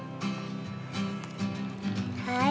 はい。